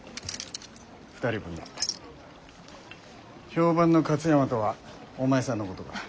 評判の勝山とはお前さんのことか？